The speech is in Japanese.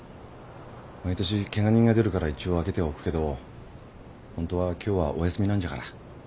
毎年ケガ人が出るから一応開けてはおくけどホントは今日はお休みなんじゃから。